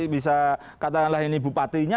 bisa katakanlah ini bupatinya